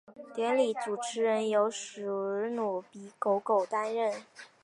典礼主持人由史奴比狗狗担任。